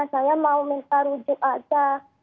saya mau minta rujuk aja